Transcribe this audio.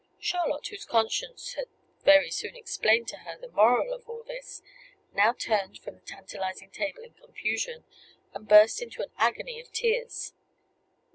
Charlotte, whose conscience had very soon explained to her the moral of all this, now turned from the tantalizing table in confusion, and burst into an agony of tears.